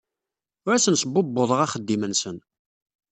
Ur asen-sbubbuḍeɣ axeddim-nsen.